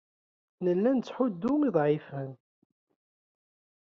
Nella nettḥuddu uḍɛifen.